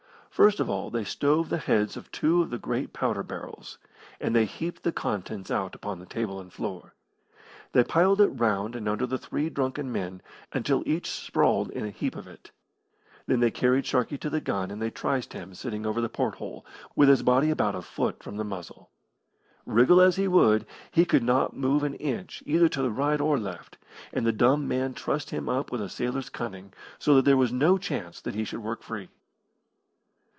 First of all they stove the heads of two of the great powder barrels, and they heaped the contents out upon the table and floor. They piled it round and under the three drunken men, until each sprawled in a heap of it. Then they carried Sharkey to the gun and they triced him sitting over the port hole, with his body about a foot from the muzzle. Wriggle as he would he could not move an inch either to the right or left, and the dumb man trussed him up with a sailor's cunning, so that there was no chance that he should work free.